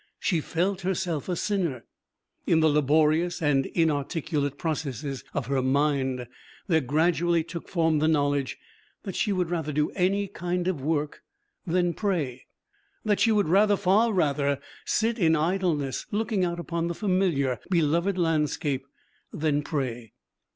She felt herself a sinner. In the laborious and inarticulate processes of her mind there gradually took form the knowledge that she would rather do any kind of work than pray; that she would rather, far rather, sit in idleness, looking out upon the familiar, beloved landscape, than pray.